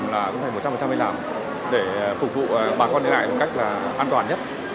đảm bảo đi làm là cũng phải một trăm linh đi làm để phục vụ bà con đến lại một cách là an toàn nhất